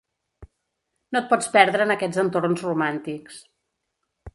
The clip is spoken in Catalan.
No et pots perdre en aquests entorns romàntics.